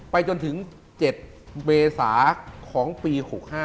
ไปจนถึงเจ็ดเมษาของปี๖๕